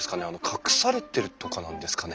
隠されてるとかなんですかね？